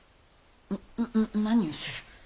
な何をする！